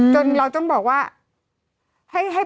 จนเราต้องบอกว่า